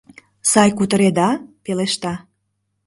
— Сай кутыреда? — пелешта.